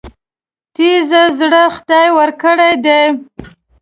تېږه زړه خدای ورکړی دی.